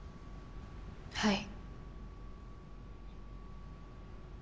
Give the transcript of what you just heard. はい。